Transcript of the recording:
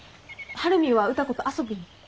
晴海は歌子と遊びに。